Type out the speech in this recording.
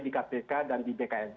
di kpk dan di bkn